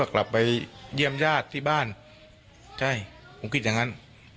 กลับไปเยี่ยมญาติที่บ้านใช่ผมคิดอย่างนั้น